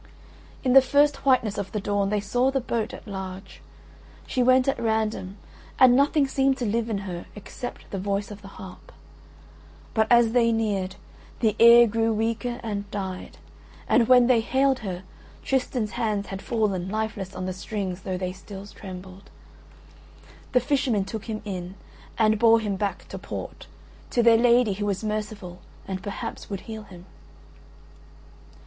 In the first whiteness of the dawn they saw the boat at large: she went at random and nothing seemed to live in her except the voice of the harp. But as they neared, the air grew weaker and died; and when they hailed her Tristan's hands had fallen lifeless on the strings though they still trembled. The fishermen took him in and bore him back to port, to their lady who was merciful and perhaps would heal him.